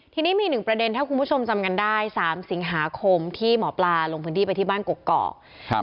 ทีนี้มีหนึ่งประเด็นถ้าคุณผู้ชมจำกันได้๓สิงหาคมที่หมอปลาลงพื้นที่ไปที่บ้านกกอก